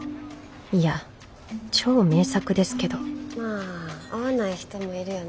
いや超名作ですけどまあ合わない人もいるよね。